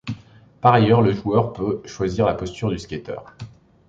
Par ailleurs, le joueur peut choisir la posture du skater.